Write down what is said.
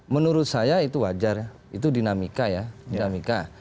menurut saya itu wajar itu dinamika ya